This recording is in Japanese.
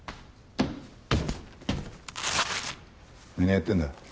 何やってんだ？